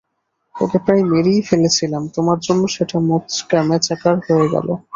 ওকে প্রায় মেরেই ফেলেছিলাম, তোমার জন্য সেটা ম্যাচাকার হয়ে গেলো।